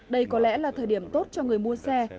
đây có lẽ là thời điểm tốt cho người mua xe